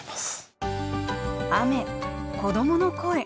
雨子どもの声。